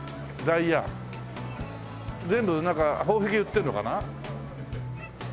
全部なんか宝石売ってるのかな？